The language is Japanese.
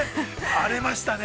荒れましたね。